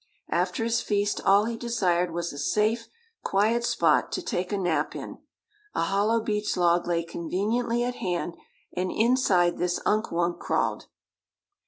After his feast all he desired was a safe, quiet spot to take a nap in. A hollow beech log lay conveniently at hand, and inside this Unk Wunk crawled.